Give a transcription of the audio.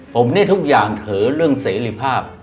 ผมเนี่ยทุกอย่างถือเรื่องเสรีภาพ